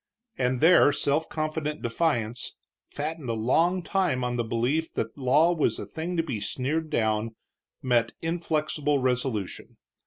And there self confident defiance, fattened a long time on the belief that law was a thing to be sneered down, met inflexible resolution.